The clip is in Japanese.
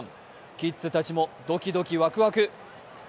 キッズたちもドキドキわくわく。